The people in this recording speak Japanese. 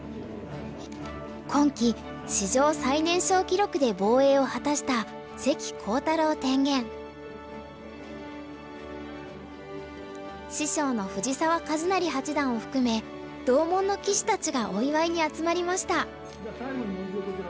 今期史上最年少記録で防衛を果たした師匠の藤澤一就八段を含め同門の棋士たちがお祝いに集まりました。